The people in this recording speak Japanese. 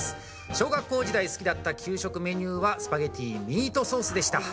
小学校時代好きだった給食メニューはスパゲッティミートソースでした。